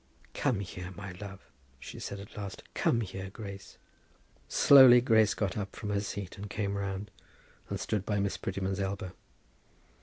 "Come here, my love," she said at last. "Come here, Grace." Slowly Grace got up from her seat and came round, and stood by Miss Prettyman's elbow.